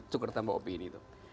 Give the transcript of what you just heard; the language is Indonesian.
tukar tambah opini itu